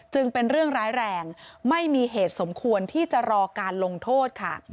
เป็นเรื่องร้ายแรงไม่มีเหตุสมควรที่จะรอการลงโทษค่ะ